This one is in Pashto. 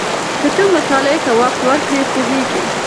که ته مطالعې ته وخت ورکړې پوهېږې.